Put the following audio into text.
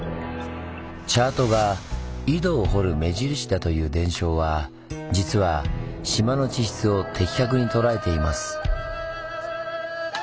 チャートが井戸を掘る目印だという伝承は実は島の地質を的確に捉えています。